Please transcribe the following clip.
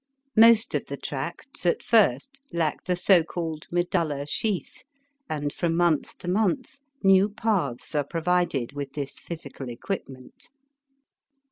Most of the tracts at first lack the so called medullar sheath, and from month to month new paths are provided with this physical equipment.